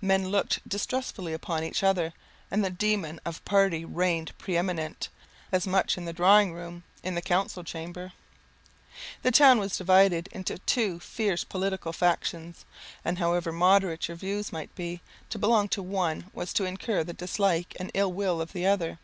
Men looked distrustfully upon each other, and the demon of party reigned preeminent, as much in the drawing room in the council chamber. The town was divided into two fierce political factions; and however moderate your views might be, to belong to the one was to incur the dislike and ill will of the other.